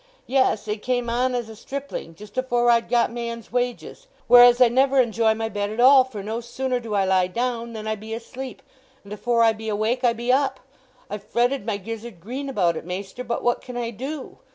Yes—it came on as a stripling, just afore I'd got man's wages, whereas I never enjoy my bed at all, for no sooner do I lie down than I be asleep, and afore I be awake I be up. I've fretted my gizzard green about it, maister, but what can I do?